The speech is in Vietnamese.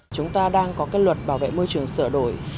chúng ta đang có cái luật bảo vệ môi trường sửa đổi